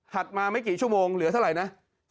มาไม่กี่ชั่วโมงเหลือเท่าไหร่นะ